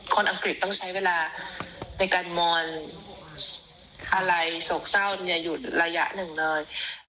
อังกฤษต้องใช้เวลาในการมอนอะไรโศกเศร้าอยู่ระยะหนึ่งเลย